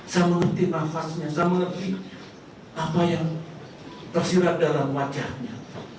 saya mengerti nafasnya saya mengerti apa yang tersirat dalam wajahnya